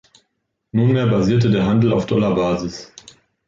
Nunmehr basierte der Handel auf Dollar-Basis.